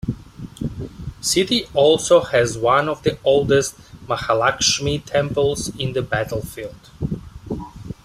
City also has one of the oldest Mahalakshmi temples in the battlefield.